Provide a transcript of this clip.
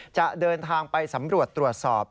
จะเดินทางไปสำรวจตรวจสอบ